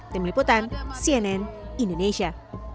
demi putan cnn indonesia